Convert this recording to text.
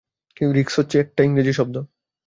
Risk হচ্ছে একটা ইংরেজি শব্দ।